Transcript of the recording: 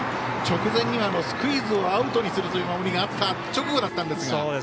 直前ではスクイズをアウトにするという守りがあった直後だったんですが。